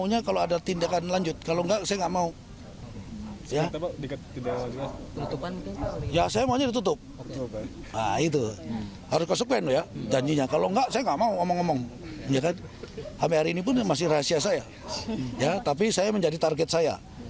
tapi saya menjadi target saya